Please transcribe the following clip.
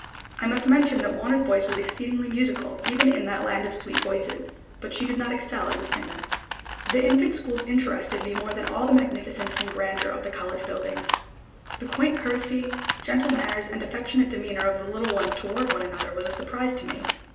I must mention that Wauna's voice was exceedingly musical, even in that land of sweet voices, but she did not excel as a singer. The infant schools interested me more than all the magnificence and grandeur of the college buildings. The quaint courtesy, gentle manners and affectionate demeanor of the little ones toward one another, was a surprise to me.